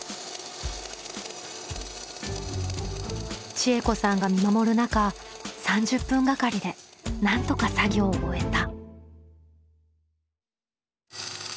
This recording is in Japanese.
知恵子さんが見守る中３０分がかりでなんとか作業を終えた。